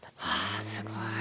はあすごい。